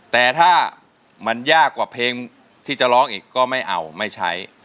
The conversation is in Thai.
แต่ถ้ามันยากกว่าเพลงที่จะร้องอีกก็ไม่เอาไม่ใช้